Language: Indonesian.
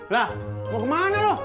lah mau ke mana loh